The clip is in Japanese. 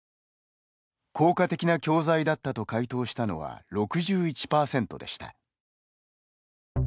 効果的な教材だったと回答したのは、６１％でした。